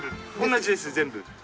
同じです全部。